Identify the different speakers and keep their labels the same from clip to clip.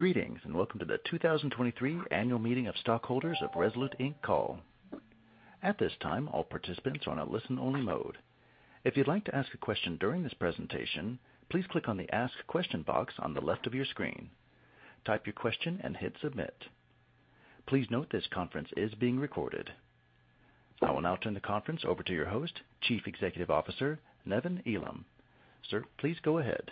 Speaker 1: Greetings, and welcome to the 2023 Annual Meeting of Stockholders of Rezolute, Inc. call. At this time, all participants are on a listen-only mode. If you'd like to ask a question during this presentation, please click on the Ask Question box on the left of your screen. Type your question and hit Submit. Please note this conference is being recorded. I will now turn the conference over to your host, Chief Executive Officer, Nevan Elam. Sir, please go ahead.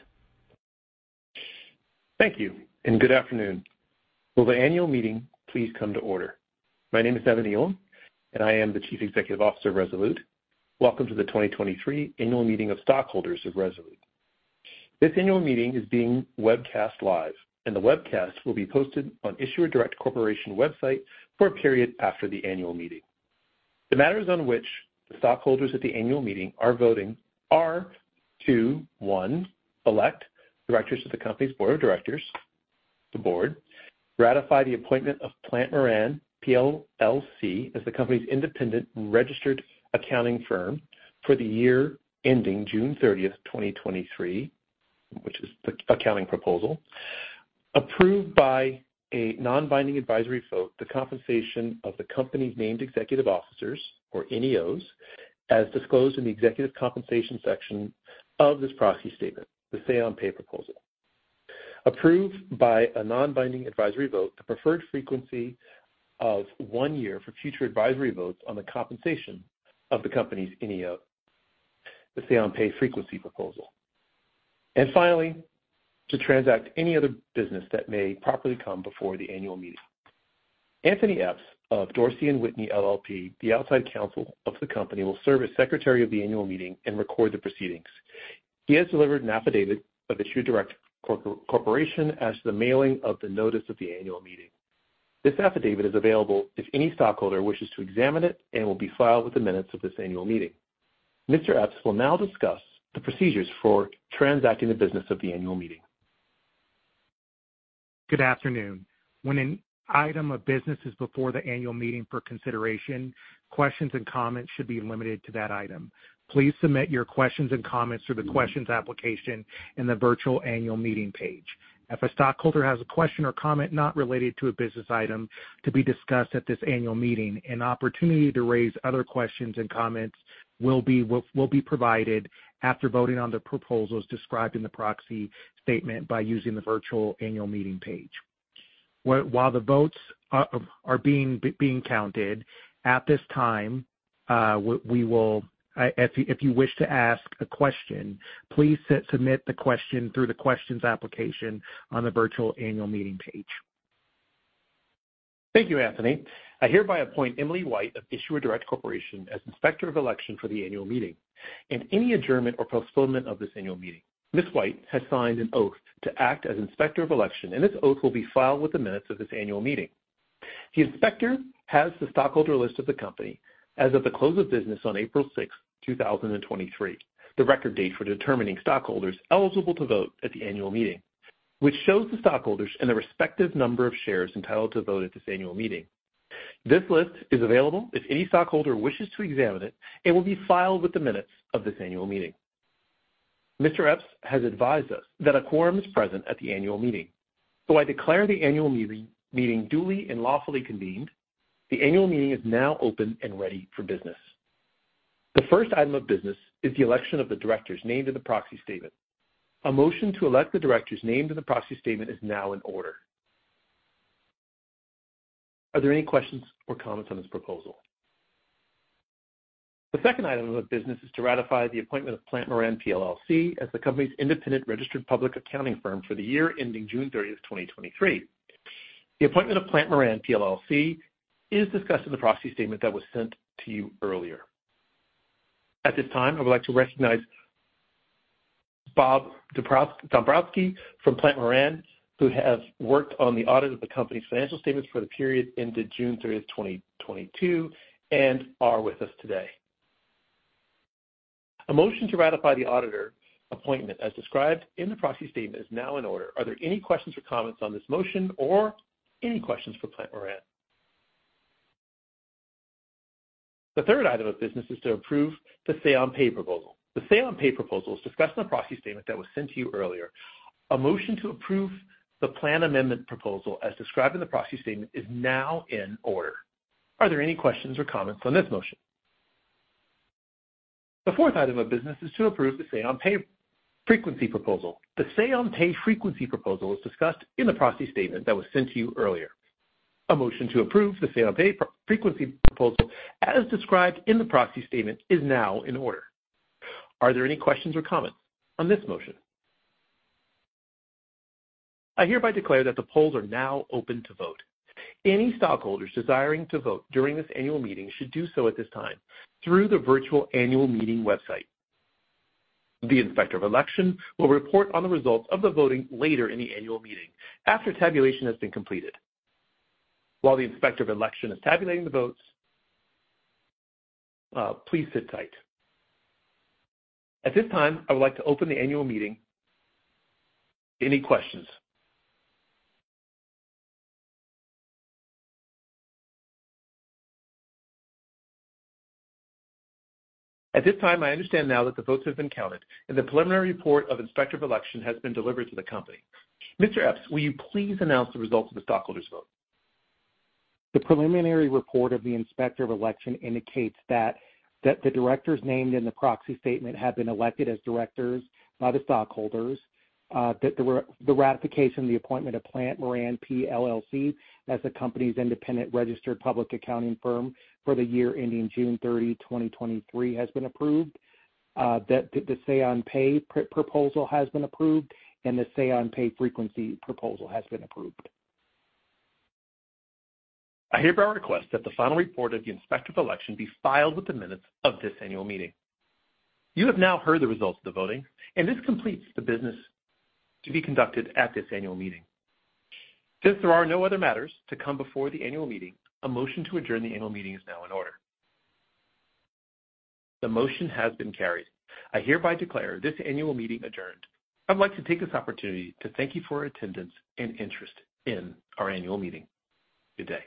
Speaker 2: Thank you. Good afternoon. Will the annual meeting please come to order? My name is Nevan Elam. I am the Chief Executive Officer of Rezolute. Welcome to the 2023 Annual Meeting of Stockholders of Rezolute. This annual meeting is being webcast live. The webcast will be posted on Issuer Direct Corporation website for a period after the annual meeting. The matters on which the stockholders at the annual meeting are voting are to, one, elect directors of the company's board of directors, the board, ratify the appointment of Plante Moran, PLLC, as the company's independent registered accounting firm for the year ending June thirtieth, 2023, which is the accounting proposal. Approved by a non-binding advisory vote, the compensation of the company's Named Executive Officers, or NEOs, as disclosed in the executive compensation section of this proxy statement, the say on pay proposal. Approved by a non-binding advisory vote, the preferred frequency of one year for future advisory votes on the compensation of the company's NEO, the say on pay frequency proposal. Finally, to transact any other business that may properly come before the annual meeting. Anthony Epps of Dorsey & Whitney LLP, the outside counsel of the company, will serve as Secretary of the annual meeting and record the proceedings. He has delivered an affidavit of the Issuer Direct Corporation as to the mailing of the notice of the annual meeting. This affidavit is available if any stockholder wishes to examine it and will be filed with the minutes of this annual meeting. Mr. Epps will now discuss the procedures for transacting the business of the annual meeting.
Speaker 3: Good afternoon. When an item of business is before the annual meeting for consideration, questions and comments should be limited to that item. Please submit your questions and comments through the questions application in the virtual annual meeting page. If a stockholder has a question or comment not related to a business item to be discussed at this annual meeting, an opportunity to raise other questions and comments will be provided after voting on the proposals described in the proxy statement by using the virtual annual meeting page. While the votes are being counted, at this time, if you wish to ask a question, please submit the question through the questions application on the virtual annual meeting page.
Speaker 2: Thank you, Anthony. I hereby appoint Emily White of Issuer Direct Corporation as Inspector of Election for the annual meeting and any adjournment or postponement of this annual meeting. Ms. White has signed an oath to act as Inspector of Election, and this oath will be filed with the minutes of this annual meeting. The inspector has the stockholder list of the company as of the close of business on April sixth, 2023, the record date for determining stockholders eligible to vote at the annual meeting, which shows the stockholders and the respective number of shares entitled to vote at this annual meeting. This list is available if any stockholder wishes to examine it and will be filed with the minutes of this annual meeting. Mr. Epps has advised us that a quorum is present at the annual meeting. I declare the annual meeting duly and lawfully convened. The annual meeting is now open and ready for business. The first item of business is the election of the directors named in the proxy statement. A motion to elect the directors named in the proxy statement is now in order. Are there any questions or comments on this proposal? The second item of business is to ratify the appointment of Plante Moran, PLLC, as the company's independent registered public accounting firm for the year ending June 30, 2023. The appointment of Plante Moran, PLLC, is discussed in the proxy statement that was sent to you earlier. At this time, I would like to recognize Bob Dombrowski from Plante Moran, who has worked on the audit of the company's financial statements for the period ended June 30, 2022, are with us today. A motion to ratify the auditor appointment as described in the proxy statement is now in order. Are there any questions or comments on this motion or any questions for Plante Moran? The third item of business is to approve the say on pay proposal. The say on pay proposal is discussed in the proxy statement that was sent to you earlier. A motion to approve the plan amendment proposal as described in the proxy statement is now in order. Are there any questions or comments on this motion? The fourth item of business is to approve the say on pay frequency proposal. The say on pay frequency proposal is discussed in the proxy statement that was sent to you earlier. A motion to approve the say on pay frequency proposal, as described in the proxy statement, is now in order. Are there any questions or comments on this motion? I hereby declare that the polls are now open to vote. Any stockholders desiring to vote during this annual meeting should do so at this time through the virtual annual meeting website. The Inspector of Election will report on the results of the voting later in the annual meeting after tabulation has been completed. While the Inspector of Election is tabulating the votes, please sit tight. At this time, I would like to open the annual meeting. Any questions? At this time, I understand now that the votes have been counted, and the preliminary report of Inspector of Election has been delivered to the company. Mr. Epps, will you please announce the results of the stockholders' vote?
Speaker 3: The preliminary report of the Inspector of Election indicates that the directors named in the proxy statement have been elected as directors by the stockholders, that the ratification of the appointment of Plante Moran, PLLC, as the company's independent registered public accounting firm for the year ending June 30, 2023, has been approved, that the say on pay proposal has been approved, and the say on pay frequency proposal has been approved.
Speaker 2: I hereby request that the final report of the Inspector of Election be filed with the minutes of this annual meeting. You have now heard the results of the voting, and this completes the business to be conducted at this annual meeting. Since there are no other matters to come before the annual meeting, a motion to adjourn the annual meeting is now in order. The motion has been carried. I hereby declare this annual meeting adjourned. I'd like to take this opportunity to thank you for your attendance and interest in our annual meeting. Good day.